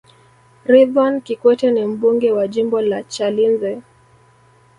ridhwan kikwete ni mbunge wa jimbo la chalinze